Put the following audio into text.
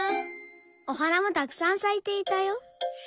おはなもたくさんさいていたよ。